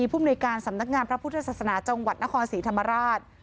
ผู้บริการศำนักงานพระพุทธศักดิ์ศาสนาจังหวัดณศรีธรรมราช